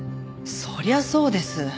そりゃそうです。